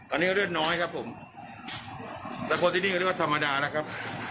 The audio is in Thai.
ตอนนี้เลือดน้อยครับผมแต่คนที่นี่ก็เรียกว่าธรรมดาแล้วครับ